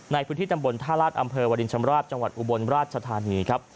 ในพื้นที่ตำบลท่าราชอำเภอวรินชำราบจังหวัดอุบลราชธานีครับ